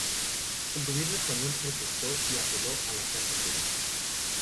El gobierno español protestó y apeló a la Santa Sede.